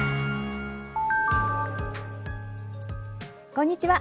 こんにちは。